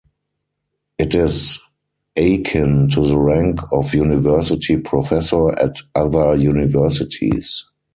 It is akin to the rank of university professor at other universities.